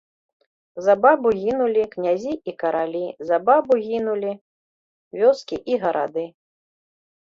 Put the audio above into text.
За бабу гінулі князі і каралі, за бабу гінулі вёскі і гарады.